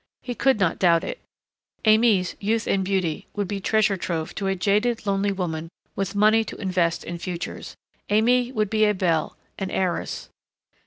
He could not doubt it.... Aimée's youth and beauty would be treasure trove to a jaded lonely woman with money to invest in futures. Aimée would be a belle, an heiress....